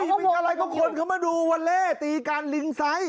โอ้ยมันกับอะไรเขาคลนเขามาดูวัลเล่ตีการลิงซัย